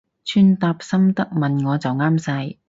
穿搭心得問我就啱晒